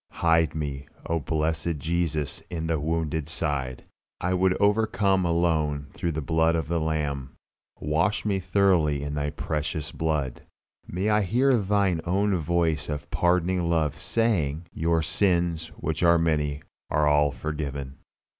Hide me, O blessed Jesus, in Thy wounded side. I would overcome alone through the blood of the Lamb. Wash me thoroughly in Thy precious blood. May I hear Thine own voice of pardoning love saying, "Your sins which are many are all forgiven."